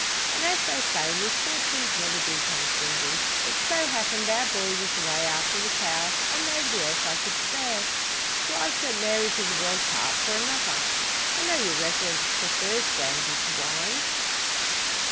And as they say misfortunes never do come single, it so happened our boy was away after the cows, and nobody else I could spare. So I've sent Mary to the Welsh Harp for another. I know your reverence prefers brandy to wine."